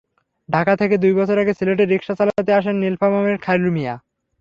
ঢাকা থেকে দুই বছর আগে সিলেটে রিকশা চালাতে আসেন নীলফামারীর খায়রুল মিয়া।